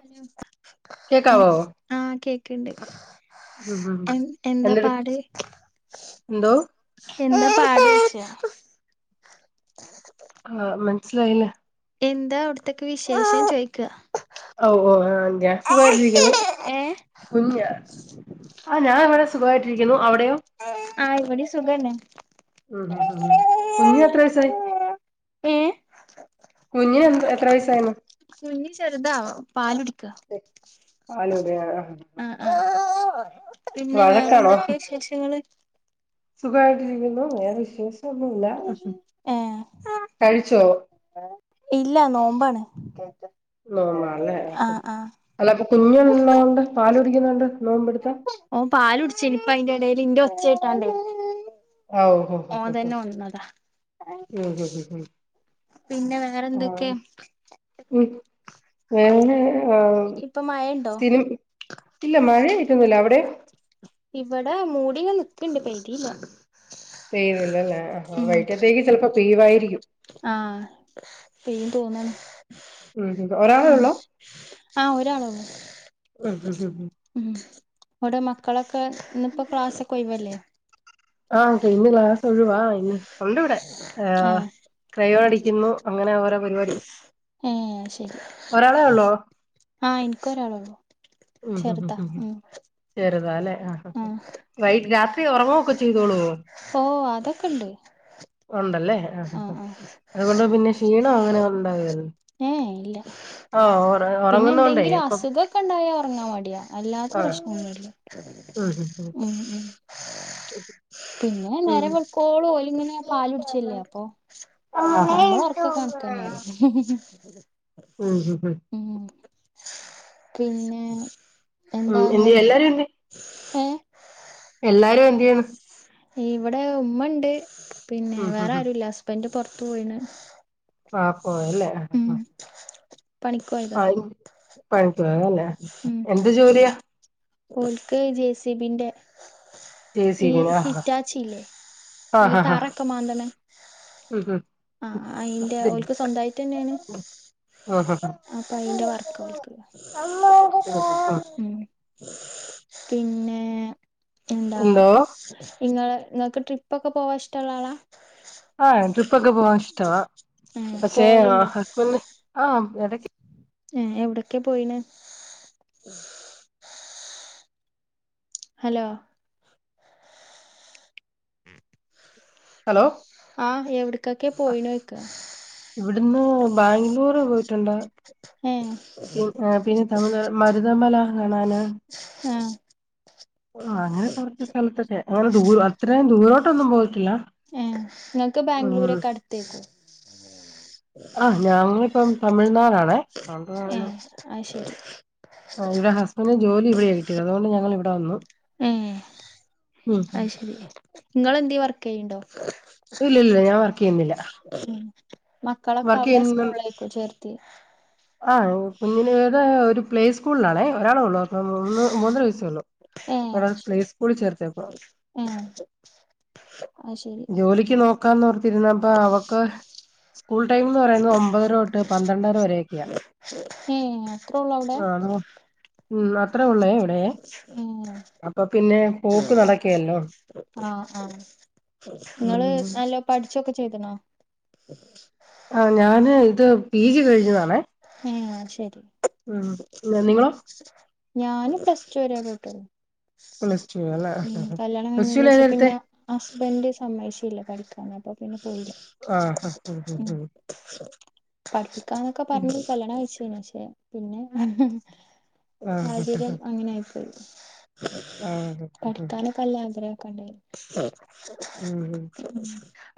Hello കേക്കാവോ ആ കേക്ക്ണ്ട്.. ഉം ഉം എ എന്താ എന്തെടു പാട്.. എന്തോ എന്താ പാട്യ്ച്ച... ആ മനസിലായില്ലേ.. എന്താ അവിടത്തക്കെ വിശേഷം ചോയ്ക്കാ ഓ ഓസുഖയിട്ടിരിക്കുന്നു ഏഹ് കുഞ്ഞ.. ആ ഞാൻ ഇവിടെ സുഖമായിട്ടിരിക്ക്ണു... ആ ഇവിടെം സുഖന്നെ.. ഉം ഉം ഉം ഉ കുഞ്ഞ് എത്ര വയസായി.. ഏഹ് കുഞ്ഞ് എന് എത്ര വയസായിണ്.. കുഞ്ഞി ചെറുതാ പാലുടിക്കാ പാലൂടെ ആഹ് ആ ആ.. പിന്നെ വേറെ എന്തൊക്കെ വിശേഷങ്ങള്. സുഖായിട്ടിരിക്കുന്നു വേറെ വിശേഷം.. ഏ കഴിച്ചോ ഇല്ല നോമ്പാണ്.. [inaudible] നോമ്പാല്ലേ ആഹ് ആഹ് അല്ലപ്പൊ കുഞ്ഞുള്ളോണ്ട് പാല് കുടിക്കുന്നോണ്ട്.. നോമ്പെടുത്താ ഓൻ പാലുടിചൈന് ഇപ്പ അയിന്റെടേല് ഇന്റെ ഒച്ചട്ടാണ്ടെ. ആഹ് ഓഹോ ഹോ ഹോ ഹോ ഹോ ഓന്തന്നെ ഒണന്നതാ.. ഉം ഉം ഉം ഉം പിന്നെ വേറെന്തൊക്കെ.. ഞാന്ന്. ആ ഇപ്പൊ മഴണ്ടോ സിനി ഇല്ല മഴ യായിട്ടോന്നില്ല അവിടെ... ഇവിടെ മൂടിങ്ങ് നിക്ക്ണ്ട് പെയ്‌തീല പെയ്തില്ലല്ലേ ഹാ വൈയ്ട്ടത്തേക്ക് ചെലപ്പോ പെയ്യുവായിരിക്കും... ആ പെയ്യും തോന്ന്ണ്.. ഉം ഉം ഒരാളെ ഉം ഉള്ളോ ആ ഒരാൾ ഒള്ളൂ.. ഉം ഉം ഉം.. എവിടെ മക്കളൊക്കെ ഇന്നിപ്പോ ക്ലാസക്കൊയിവല്ലെ... ഒഴുവാ ഇന്ന് ഒണ്ടിവിടെ ആ. ഏഹ് ക്രയോൺ അടിക്കുന്നു അങ്ങനെ ഒരോ പരിപാടി ഒരാളേ ഉള്ളോ... ആ ഇന്ക്ക് ഒരാളെള്ളൂ.. ഉം ഉം ഉം ഉം ചെറുതാല്ലെ ആ.. ആഹ് വൈ രാത്രി ഉറങ്ങുവൊക്കെ ചെയ്തോള്ളേ.. ഓഹ് അതൊക്കെണ്ട് ഉണ്ടല്ലേ ആ ആ ആ ആഹ് ആഹ് അതുകൊണ്ട് പിന്നെ ക്ഷീണം അങ്ങനെ ഉണ്ടാവി ല്ലല്ലോ. ഏയ് ഇല്ല... പിന്നെ ഒറങ്ങുന്നോണ്ടേ എന്തെങ്കിലും ഇപ്പം അസുഗം ഒക്കെ ഉണ്ടായാ ഉറങ്ങാൻ മടിയാ അല്ലാത്തെ പ്രശ്നമൊന്നുല്ല.. ആഉം ഉം... പിന്നെ ഉം നേരെ പക്കോള പോല ഇങ്ങനെ പാാല ഇടിച്ചല്ല അപ്പൊ ഞമ്മളൊർകൊക്ക കാണക്കന്നെയാണ്. മ്മ്ഹ് ഉം ഉം ഉ പിന്നെ ഉം എണ്ട് എല്ലാരും ഉണ്ട്. ഹേ എല്ലാരും എന്തെയ്നു ഇവിടെ ഉമ്മ ഉണ്ട്. പിന്നെ ഉം ഉം വേറെ ഉം ആരുല്ല ഹസ്ബന്റ് പൊറത്തു പോയിണ്. ആ പോയല്ലേ ഉം ആ. പണിക്കോയതാ ആ പണിക്കുപോയല്ലേ, ഉം എന്ത് ജോലിയാ ഓൽക്ക് ജേസിബിന്റെ ജെ സി ബി ന്റെ ഹാ അറ്റാച്ചില്ലേ ഈ തറൊക്കെ മാന്തണെ. ഉം ഉം ആഹ അയിന്റെ ഓല്ക്ക് സ്വന്തയിട്ട് ന്നെയാണ്. ആ അപ്പൊ അയിന്റെ വർക്ക് ഓല്ക്കു. ആ പിന്നെ എന്താ എന്തോ നിങ്ങൾ നിങ്ങൾക്ക് ട്രിപ്പ ഒക്കെ പോവാൻ ഇഷ്ടമുള്ള ആളാ ആഹ ട്രിപ്പകെ പോവാൻ ഇഷ്ടാ ഏ പക്ഷെ പോവലുണ്ടോ ഹസ്ബെൻന് ആഹ എടക്ക് ഏ എവിടൊക്കെ പോയിന് ഹലോ ഹലോ ആഹ് എവിട ഇക്കൊക്കെ പോയിണക്ക ഇവിടുന്ന് പിന്നർ പിന്നെ തമിഴ് മരുതമല കാണാന് ആഹ് ആ അങ്ങനെ കുറച്ച സ്ഥലത്തൊക്കെ അങ്ങനെ ദൂ അത്രയും ദൂരോട്ട്ന്നും പോ ഏ നിങ്ങക്ക് ബാംഗ്ലൂരൊക്കെ അടുത്തേക്കു. ആഹ ഞങ്ങളിപ്പം തമിഴ്നാടാണേ. ഏ അത് ശരി ആ് ഇടെ ഹസ്ബൻഡന് ജോലി ഇവിടെ കിട്ടിയത്. അതുകൊണ്ട് ഞങ്ങൾ ഇവിടെ വന്നു. ഏ ഉം അത് ശരി നിങ്ങള് എന്തേ വർക്ക് ചെയ്യണ്ടോ? ഇല്ല ഇല്ല ഞാവ ഉ മക്കളൊക്കെ വർക്ക് അവിടെ ചെയ്യുന്ന സ്കൂളേക്കും ചേർത്തി. ആഹ് കുഞ്ഞിന് ഇവിടെ ഒരു പ്ലേ സ്കൂളിലണേ ഒരാളേ ഉള്ളൂ. ആ മൂന്ന് മൂന്നര വയസള്ളോ ഏ അവിടെ ശരി പ്ലേസ് കൂടി ചേർതെകുവാ. ഏ അത് ശരി ജോലിക്ക് നോക്കാന്നോർത്തിരുന്നപ്പ അവക്ക് സ്കൂൾ ടൈംന്ന്‌ പറയുന്നത് ഒമ്പതര തൊട്ട് പന്ത്രണ്ടര വരൊക്കെയ ഏ അത്രേ ഉള്ളൂ അവിടെ ഉം അത്ര ഉള്ളേ ഇവിടെ അപ്പൊ പിന്നെ പോക്ക് നടക്കേലല്ലോ ആ ആ നിങ്ങള് ഉം നല്ല പഠിച്ചൊക്കെ ചേതനൊ ആ ഞാന് ഇത് പി ജി കഴിഞ്ഞതാണെ. ഏ ശരി ഉം ഉം നിങ്ങളോ ഞാന് പ്ലസ്ടു വര പോയിട്ടൊള്ളു. പ്ലസ് ടു അല്ലെ ഉ കല്യാണം പ്ലസ് കഴിഞ്ഞന് ടു ഏതാ ശേഷം എടുത്തെ പിന്നെ ഹസ്ബന്റ് സമ്മയ്ശില്ല പഠിക്കാന പ്പ പിന്നെ പോയില്ല. ആഹ് ആ ഉം പഠിപ്പിക്കാന്നൊക്കെ പറഞ്ഞ കല്ണം കച്ചന് പശേ പിന്നെ ഹം ആഹ് സാഹചര്യം അങ്ങനെ ആയിപോയി ആഹ് പഠിക്കാനൊക്കെല്ലാഗ്രഹ ണ്ട ഉം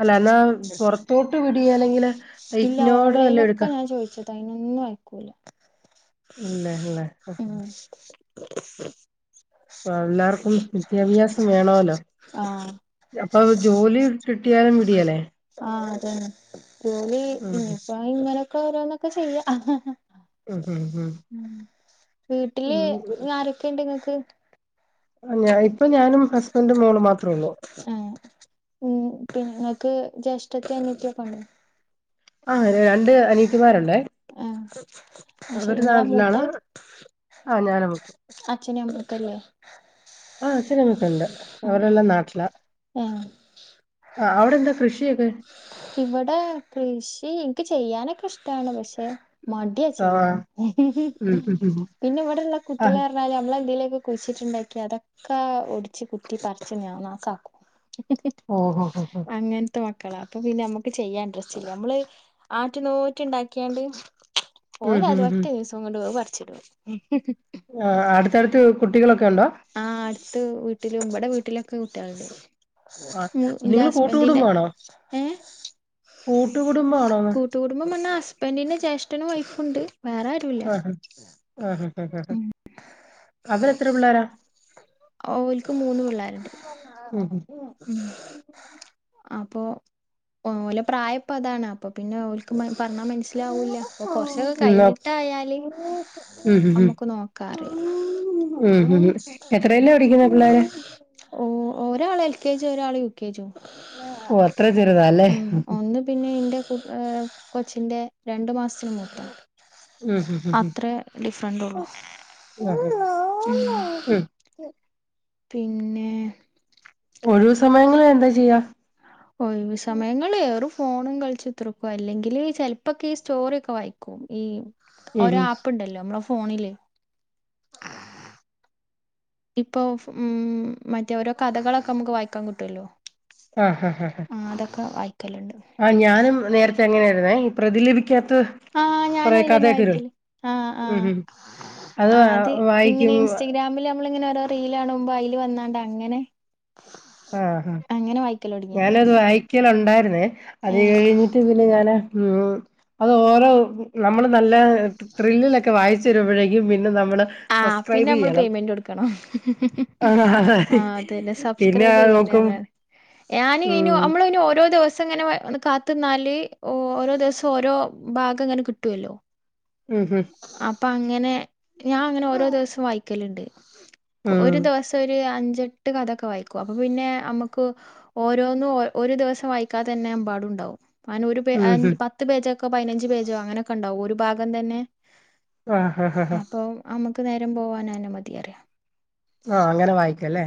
അല്ലാന്നാ പൊറ്ത്തോട്ട് വിടെയി ല്ലെങ്കില് അയ്ക്നോട് ലൊക്കെ ഞാൻ ചോദിച്ചതാ അയ്നൊന്നും അയ്ക്കൂല ഇല്ലേല്ലേ [unintelligible] [unintelligible] ആ എല്ലാർക്കും വിദ്യാഭ്യാസം വേണോലോ ആഹ് അപ്പൊ ജോലി കിട്ട്യാലും വിട്യേലേ മ് ജോലി ഇനിപ്പം ഇങ്ങനൊക്കോരോന്നൊക്കെ ചെയ്യാ ഉം ഉം മ് വീട്ടില് ഉം ആരൊക്കെണ്ട് ങ്ങക്ക്? ആ ഞാ ഇപ്പൊ ഞാനും ഹസ്ബൻ്റും മോളും മാത്രൊള്ളൂ [inaudible] ആഹ് ഉം പിന്നെ ഇങ്ങക്ക് ജ്യേഷ്ഠത്തി അനിയത്ത്യൊക്കണോ? ആ രണ്ട് അനിയത്തിമാരുണ്ടേ ആഹ് അയ്ശരി അവര് ഇങ്ങളാ നാട്ടിലാണ് മൂത്തത് ആ ഞാന അച്ഛനും അമ്മയൊക്കെല്ലേ [inaudible] ആ ത്തിരങ്ങൊക്കെണ്ട് ആഹ് അവരെല്ലാം നാട്ടില ആഹ് ആ അവ്ടെന്താ കൃഷിയൊക്കെ? ഇവിടെ കൃഷി ന്ക്ക് ചെയ്യാനൊക്കെഷ്ടാണ് പക്ഷെ മട്യാ സോ ചെയ്യാൻ ഉം ഉം ഉം പിന്നെ ഇവടെള്ള ആഹ് കുട്ട്യാളറ്ഞ്ഞാല് നമ്മളെന്തേലൊ കുഴ്ച്ചിട്ട്ണ്ടാക്ക്യാ അതൊക്കാ ഒടിച്ച് കുത്തി പറ്ച്ച് ഞ നാക്കാം ഓഹോ ഹോ ഹോ അങ്ങനതെ മ ക്കളാ അപ്പൊ പിന്നെ മ്മക്ക് ചെയ്യാൻ അഡ്രെസ്സില്ല മ്മള് ആറ്റു നോറ്റ്ണ്ടാക്ക്യാണ്ട് ഓല ഉം ഉം തൊറ്റ ദിവസം കൊണ്ട് അത് പറ്ച്ച്ടും ആ അടുത്തടുത്ത് കുട്ടികളൊക്കെ ഉണ്ടോ ആ അടുത്ത് വീട്ടിലും ബടെ വീട്ടി ലൊക്കെ കുട്ട്യാളുണ്ട് ആഹ് മ് ൻ്റെ നിങ്ങള് ഹസ്ബൻ്റിൻ്റെ കൂട്ടുകുടുംബാണോ കൂട്ടുകുടുംബാണോന്ന് കൂട്ടുകൂടുംബം പഞ്ഞാൽ ഹസ്ബൻഡിന്റെ ജ്യേഷ്ഠനും വൈഫുണ്ട് ആഹ്ഹാ ആഹ് ആഹ് ആഹ് അവരെത്ര പിള്ളേരാ [inaudible] ഓൽക്ക് മൂന്ന് പിള്ളേരുണ്ട് ഉം ഉം അപ്പോ ഓലെ പ്രായപ്പതാണ് അപ്പൊപിന്നെ ഓല്ക്ക് മന് പറ്ഞ്ഞാ ഉം മനസ്സിലാവൂല്ല അപ്പൊ അ കൊറ്ച്ചൊക്കെ കഴിഞ്ഞ്ട്ടായാല് ഉം ഉം ഉം നമ്മുക്ക് നോക്കാറിയാ ഉം ഉം ഉം മ് എത്രയിലാ പഠിക്കുന്നെ പിള്ളേര് ഓ ഒരാൾ എൽകെജിം ഒരാൾ യുകെജും ഓ അത്ര ചെറുതാല്ലേ മ്മ് ഒന്ന് പിന്നെ ഇൻ്റെ കൊ കൊച്ചിൻ്റെ രണ്ട് മാസ്ത്തിന് മൂത്താ ഉം ഉം ഉം അത്രേ ഡിഫ്റന്റൊള്ളു ഉം ആഹ് മ്മ് ഉം പിന്നെ ഒഴ്വ്സമയങ്ങളിൽ എന്താ ചെയ്യാ ഒഴ്‌വ് സമയങ്ങളേറും ഫോണും കള്ച്ചുത്തർക്കും അല്ലെങ്കിൽ ചെല്പ്പൊക്കെ ഈ സ്റ്റോറി ഒക്കെ വായിക്കും ഈ ഉം ഓരാ ഉം അപ്പ്ണ്ടല്ലോ മ്മളെ ഫോണില് ഇപ്പോ മ്മ് മറ്റേ ഓരോ കഥകളൊക്കെ മ്മക്ക് വായിക്കാൻ കിട്ടൊല്ലോ ആഹാഹഹ വായിക്കലുണ്ട് ആ ഞാനും നേരത്തെ എങ്ങനെയായിരുന്നേ ഈ പ്രതിലപിക്കാത്ത ആ ഞാനയ്ലന്നെ വായ്ക്കല് ആ ആ ഉം ഉം ആഹ് വാ- അത് ഇങ്ങനെ വായിക്കും ഇൻസ്റ്റാഗ്രാമില് നമ്മള് ഇങ്ങനെ ഓരോ റീലാണുമ്പോ അയ്ല് വെന്നാണ്ട് അങ്ങനെ ആഹ്ഹാ അങ്ങനെ വായിക്കല് തൊടങ്ങിയ ഞാനത് വായിക്കലൊണ്ടായ്ര്ന്നേ അത് ഏഹ് കഴിഞ്ഞിട്ട് പിന്നെ ഞാനാ മ്മ് അത് ഓരോ നമ്മള് നല്ല ത്രില്ലിലൊക്കെ വായിച്ച് വരുമ്പോഴേക്കും പിന്നെ ന ആഹ് പിന്നമ്മള് പേയ്മെന്റൊട്ക്കണം ആ, ആഹ് അതന്നെ സബ്സ് പിന്നെ അത് നോക്കും ക്രൈബെയ്യാനാണ് ഞാനയ്നു ഉം മ്മള് പിന്നെ ഓ ഓരോ ദിവസങ്ങനെ വ വന്ന് കാത്ത്ന്നാല് ഓരോ ദിവസം ഓരോ ഭാഗം ങ്ങനെ കിട്ടുവല്ലോ ഉം ഹം അപ്പം അങ്ങനെ ഞാൻ അങ്ങനെ ഓരോ ദിവസൊം വായിക്കല്ല്ണ്ട് ഒരു ഉം ദിവസം ഒരു അഞ്ച് അെട്ട് കഥൊക്കെ വായിക്കും അപ്പൊ പിന്നെ നമ്മുക്ക് ഓരോന്നും ഒരു ദിവസം വായിക്കാതന്നെമ്പാടുണ്ടാവും അന ഒരു ഉം ഉം പത്ത് പേജൊക്കോ പതിനഞ്ച് പേജോ അങ്ങനെയൊക്കെണ്ടാവും ഒരു ഭാഗം തന്നെ ആഹ ഹാ ആഹ് ഹാ ആ നമുക്ക് നേരം പോകൻ അഎന്നെ മതി അറിയ ആഹ അങ്ങനെ വായിക്കും അല്ലേ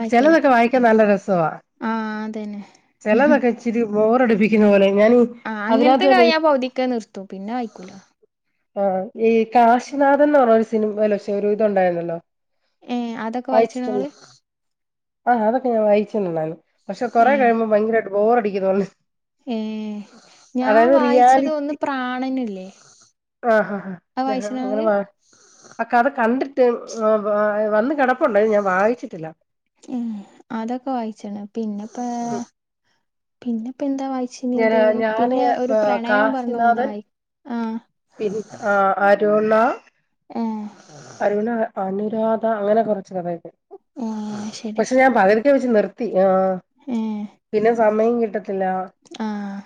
വായിക്കല് ചെലതൊക്കെ വായിക്കാൻ നല്ല രസവാ ആ അതന്നെ ചിലതൊക്കെ ഇച്ചിരി ബോറടുപ്പിക്കുന്ന പോലെ ഞാനീ ആഹ അതിനകത്ത് അങ്ങനത്തെ തന്നെ കാര് ഒരു ആ പകതിക്കെ നിർത്തു പിന്നെ ആയിക്കൂലോ ആഹ ഈ കാശിനാഥൻ എന്ന് പറഞ്ഞ ഒരു സിനിമലോക്ഷെ ഒരു ഇതു ഉണ്ടായിരുന്നല്ലോ ഏ അതൊക്കെ വായിച്ചണങ്ങള് ആഹ് അതൊക്കെ ഞാൻ വായിച്ചിട്ടണ്ടാണ് പക്ഷെ കൊറെ ഏ കഴിയുമ്പോൾ ഭയങ്കരമായിട്ട് ബോറ അടിക്ക് തോന്നു ഏ ഞാ വായിച്ചത് ഒന്ന് റിയാലിറ്റി പ്രാണനില്ലേ? ആ അത് വായിച്ച്ണോ ഇങ്ങള് അനെ കണ്ടിട്ട് വി [unintelligible] കടപ്പുണ്ടായി ഞാൻ വായിച്ചിട്ടില്ല [inaudible] ഏ അതൊക്കെ വായിച്ച്ണ് ഉം പിന്നെപ്പോ എന്താ വായിച്ചനത് ഞാന് ഞാന് പിന്നെ ഒരു പ്രണയം പറഞ്ഞ ഒന്ന് കാശിനാഥൻ വായി ആഹ് പി ആ അരുണ ഏഹ് അരുണ അനുരാധ അങ്ങനെ കുറച്ച് കഥയെ ഏഹ് ശരി പക്ഷെ ഞാൻ പകരക്കെ വെച്ച് നിർത്തി ആഹ പിന്നെ സമയം കിട്ടത്തില്ല ആഹ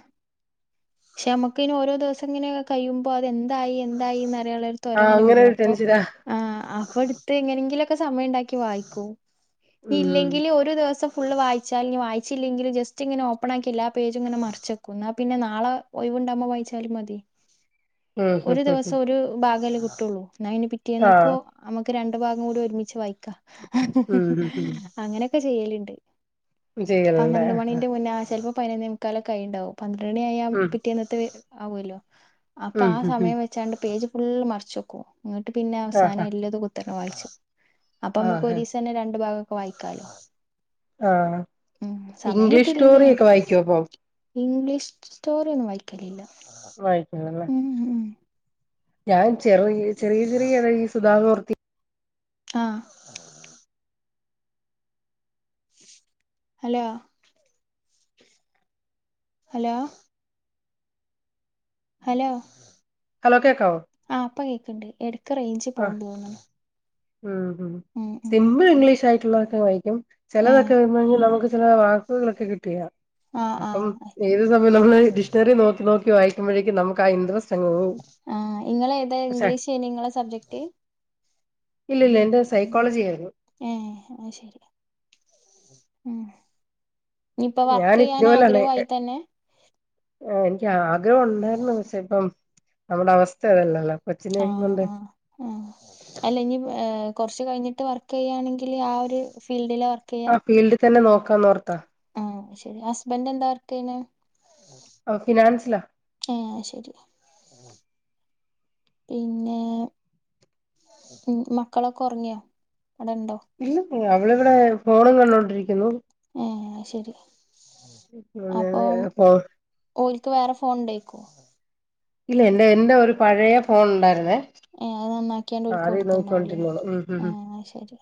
പക്ഷെ നമ്മുക്കിനി ഓരോ ദിവസം ഇങ്ങനെ കഴിയുമ്പോ അത് എന്തായി എന്തായി ളടുത്ത് തോര ആഹ് അങ്ങനെ വരും ഒരു അപ്പൊ ടെൻഷനാ ആ അവ എടുത്ത് എങ്ങനെങ്കിലുംക്കെ സമയം ഉണ്ടാക്കി വായിക്കും ഉം ഇല്ലെങ്കില് ഒരു ദിവസം ഫുള് വായിച്ചാൽ ഇനി വായിച്ചില്ലെങ്കിൽ ജസ്റ്റ് ഇങ്ങന ഓപ്പന്നാക്കില്ലാ പേജുംങ്ങനെ മറിച്ചെക്കുന്ന പിന്നെ നാളെ ഒയിവ്ണ്ടാവുംബൊ വായിച്ചാലും മതി. ഉം ഹും ഒരു ഹും ഹും ദിവസം ഒരു ഭാഗല്ലെ കിട്ടുള്ളൂ. എന്ന അയ്ന് പിറ്റേന്നക്കു ആഹ് നമുക്ക് രണ്ടു ഭാഗം കൂടി ഒരുമിച്ച് വായിക്കാ ഹ ഹ ഉം ഹും ഹ അങ്ങനെ ചെയ്യല്ണ്ട്. ഹും ചെയ്യലല്ലേ പന്ത്രണ്ട് മണിന്റെ മുന്നേ ആ ചെലപ്പോ പതിനൊന്നെ മുക്കാലൊക്കെ ആയീവുംണ്ടാവും. പന്ത്രണ്ടണിയായാൽ ഉം ത്ത് ആവല്ലോ. അപ്പൊ ഉം ആ ഹും ഹും സമയം വെച്ചാണ്ട് പേജ് ഫുള്ള് മറച്ചെക്കും ഇന്നിട്ട് പിന്നെ അവസാനം ആഹ് എല്ലതും കുത്തർന്ന് വായിച്ച്. അപ്പൊ നമുക്ക് ആഹ് ഒരീസന്നെ രണ്ടു ഭാഗ വായിക്കാലോ ആഹ് ഉം സമയം ഇംഗ്ലീഷ് കിട്ടിയില്ലെങ്കി സ്റ്റോറി അങ്ങനെ ഒക്കെ വായിക്കോ അപ്പൊ? ഇംഗ്ലീഷ് സ്റ്റോറി ഒന്നും വായിക്കലില്ല. വായിക്കണല്ലേ ഉം ഉം ഞാൻ ചെറി ചെറിയ ചെറിയ ദാ ഈ സുധാ ആ ഹലോ ഹലോ ഹലോ ഹലോ കേക്കാവോ ആ ഇപ്പ കേക്കണ്ട് എടക്ക് റേഞ്ച് ആഹ് പോകണ്ട്ന്ന് തോന്നുന്നു ഉം സിമ്പിൾ ഇംഗ്ലീഷ് ആയിട്ടുള്ളതൊക്കെ വായിക്കും ഉം ചിലതൊക്കെ വരുമ്പോ നമുക്ക് ചില വാക്കുകളൊക്കെ കിട്ടിയ ആഹ് അപ്പം ആഹ് ഏത് സമയം നമ്മള് ഡിക്ഷണറി നോക്കി നോക്കി വായി മ്പോഴേക്കും നമുക്ക് ആ ഇൻട്രസ്റ്റ് അങ്ങ് പോവും ആ നിങ്ങള് ഏതാ പക്ഷെ ഇംഗ്ലീഷ് നിങ്ങളെ സബ്ജക്ട് ഇല്ല ഇല്ല എന്റെ സൈക്കോളജി ആയിരുന്നു ഏ അത് ശരി ഉം ഇപ്പൊ വർക്ക് ഞാൻ ചെയ്യാൻ ഇഗ്നോയിലാണ് ആഗ്രഹമായി തന്നെ എനിക്ക് ആഗ്രഹം ഉണ്ടായിരുന്നു പക്ഷേ ഇപ്പം നമ്മുടെ അവസ്ഥ അതല്ലല്ലോ കൊച്ചിനെ ആ കൊണ്ട് ആഹ് ആ അല്ല ഇനി ഏ കുറച്ച് കഴിഞ്ഞിട്ട് ട്ട് വർക്ക് ചെയ്യാണെങ്കിൽ ആ ഒരു ഫീൽഡില ആ ഫീൽട് തന്നെ നോക്കാന്നോർത്ത ആ ശരി ഹസ്ബെന്റെന്താ വർകെയ്യണേ ആ ഫിനാൻസില ഏഹ് പിന്നേ മക്കളൊക്കെ ഒറങ്ങിയോ? അവിടെണ്ടോ ഇല്ല അവളിവിടേ ഫോണും കണ്ടോണ്ടിരിക്കുന്നു. ഏ ശരി. അപ്പം [unintelligible] ഓൽക്ക് വേറെ ഫോൺ ഉണ്ടേക്കു ഇല്ല എന്റെ എന്റെ ഒരു പഴയ ഫോൺ ഉണ്ടായിരുന്നേ. ഏ അത് നന്നാക്കിയണ്ട് ഓൽക് അത് കൊടുത്തിണ്ടാവൂലെ നോക്കിക്കൊണ്ടിരുന്നോളൂ ഉം ഉം ആ ഉം ശരി.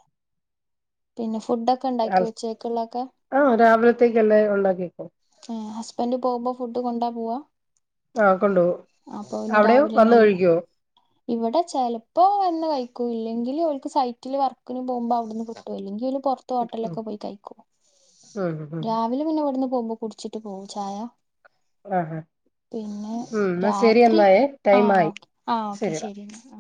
പിന്നെ ഫുഡൊക്കെ ഉണ്ടാക്കിയോ ആൾ- ഉച്ചയ്‌ക്കുള്ള ഒക്കെ? ആ രാവിലത്തേക്കല്ലേ ഉണ്ടാക്കിക്കോ ഏ ഹസ്ബൻഡ് പോവുമ്പോ ഫുഡ് കൊണ്ടാ പോവാ? ആ കൊണ്ട്പോവും അപ്പൊ പിന്നെ അവിടെയോ വന്ന് രാവിലെന്നെല്ലോ കഴിക്ക്യോ ഇവിടെ ചെലപ്പോ വന്ന് കഴിക്കൂ ഇല്ലെങ്കിൽ ഓൽക്ക് സൈറ്റില് വർക്കിന് പോകുമ്പോ അവിടുന്ന് കിട്ടും അല്ലെങ്കില് പുറത്ത് ഉം ഹോട്ടലിലൊക്കെ പോയി കഴിക്കും ഉം ഉം രാവില പിന്നെ ഇവുടുന്ന് പൊകുമ്പോ കുടിച്ചിട്ട് പോവും ചായ ആഹാ പിന്നെ ഉം എന്നാ ശരി രാത്രി എന്നായേ ആ ടൈം ആയി ആ. ഒക്കെ ശരി എന്നാ.